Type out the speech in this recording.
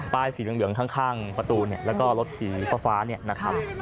ป้ายสีเหลืองข้างประตูแล้วก็รถสีฟ้านะครับ